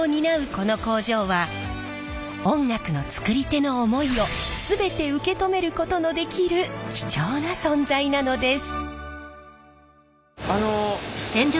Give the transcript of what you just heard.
この工場は音楽のつくり手の思いを全て受け止めることのできる貴重な存在なのです。